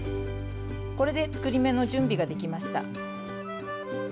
これで作り目の準備ができました。